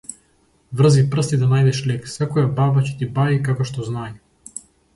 Врзи прст да најдеш лек, секоја баба ќе ти баи како што знаи.